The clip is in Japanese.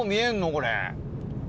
これ。